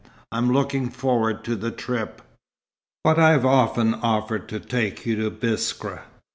I'm looking forward to the trip." "But I've often offered to take you to Biskra."